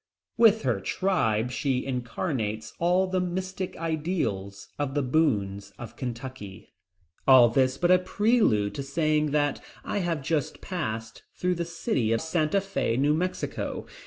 With her tribe she incarnates all the mystic ideals of the Boones of Kentucky. All this but a prelude to saying that I have just passed through the city of Santa Fe, New Mexico.